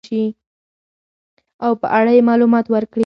او په اړه يې معلومات ورکړي .